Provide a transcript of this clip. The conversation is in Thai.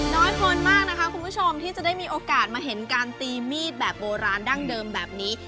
เพลินมากนะคะคุณผู้ชมที่จะได้มีโอกาสมาเห็นการตีมีดแบบโบราณดั้งเดิมแบบนี้